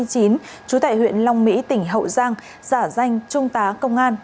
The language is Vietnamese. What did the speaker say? trú tại huyện long mỹ tỉnh hậu giang giả danh trung tá công an